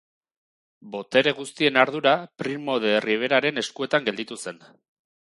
Botere guztien ardura Primo de Riveraren eskuetan gelditu zen.